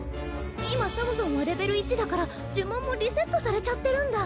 今サムソンはレベル１だからじゅもんもリセットされちゃってるんだ。